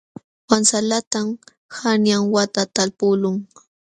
Wansalatam qanyan wata talpuqlun.